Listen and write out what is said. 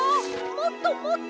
もっともっと！